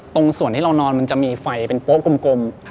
ตรงส่วนที่เรานอนมันจะมีไฟเป็นโป๊ะกลม